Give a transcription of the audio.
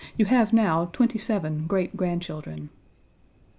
You have now twenty seven great grandchildren."